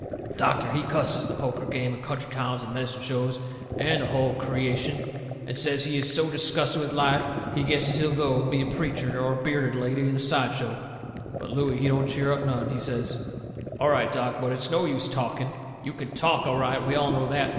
The doctor, he cusses the poker game and country towns and medicine shows and the hull creation and says he is so disgusted with life he guesses he'll go and be a preacher or a bearded lady in a sideshow. But Looey, he don't cheer up none. He says: "All right, Doc, but it's no use talking. You can TALK all right. We all know that.